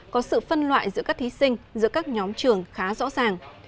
có sự phân loại giữa các thí sinh giữa các nhóm trường khá rõ ràng